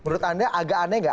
menurut anda agak aneh nggak